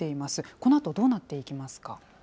このあと、どうなっていきますか。